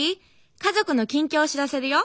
家族の近況を知らせるよ。